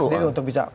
itu menari yang baru